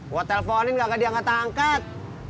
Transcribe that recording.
gua telfonin kagak diangkat angkat